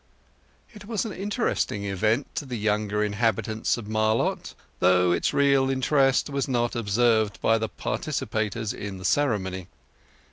It was an interesting event to the younger inhabitants of Marlott, though its real interest was not observed by the participators in the ceremony.